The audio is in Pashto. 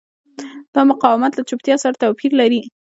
دا مقاومت له چوپتیا سره توپیر لري.